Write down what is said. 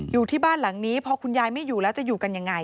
อยู่ที่บ้านหลังนี้พอคุณยายไม่อยู่แล้วจะอยู่กันยังไง